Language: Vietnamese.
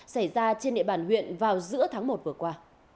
xảy ra trên địa bàn huyện vào giữa tháng một vừa qua